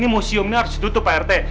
museum ini harus ditutup pak reti